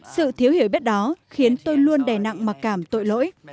sự thiếu hiểu biết đó khiến tôi luôn đè nặng mặc cảm tội lỗi